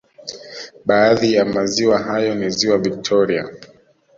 Baadhi ya maziwa hayo ni ziwa Victoria